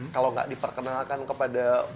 kalau nggak diperkenalkan kepada